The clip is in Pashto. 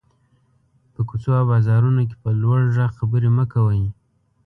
په کوڅو او بازارونو کې په لوړ غږ خبري مه کوٸ.